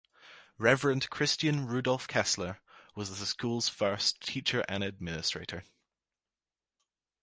Reverend Christian Rudolph Kessler was the school's first teacher and administrator.